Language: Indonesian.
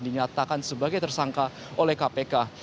dinyatakan sebagai tersangka oleh kpk